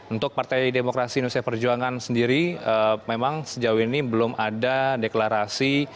untuk partai demokrasi indonesia perjuangan sendiri memang sejauh ini belum ada deklarasi